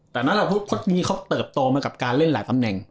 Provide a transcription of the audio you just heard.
แต่นั่นแหละมีเขาเติบโตมากับการเล่นหลายตำแหน่ง